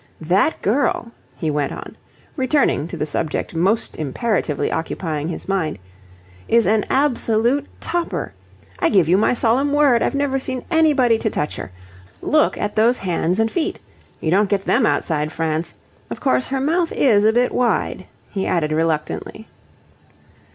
That girl," he went on, returning to the subject most imperatively occupying his mind, "is an absolute topper! I give you my solemn word I've never seen anybody to touch her. Look at those hands and feet. You don't get them outside France. Of course, her mouth is a bit wide," he said reluctantly.